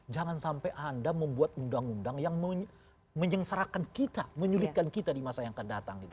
jangan sampai anda membuat undang undang yang menyengsarakan kita menyulitkan kita di masa yang akan datang